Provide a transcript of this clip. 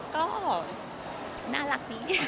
ก็น่ารักดี